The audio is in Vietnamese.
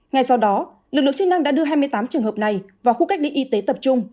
ngay sau đó lực lượng chức năng đã đưa hai mươi tám trường hợp này vào khu cách ly y tế tập trung